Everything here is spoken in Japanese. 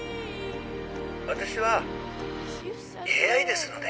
私はＡＩですので。